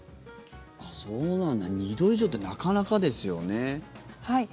そうなんだ２度以上ってなかなかですよね。